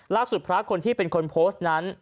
พระคนที่เป็นคนโพสต์นั้น